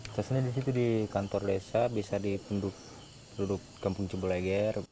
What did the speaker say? suasana di situ di kantor desa bisa di penduduk kampung cibuleger